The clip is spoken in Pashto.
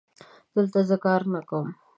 دلته زه کار نه کوم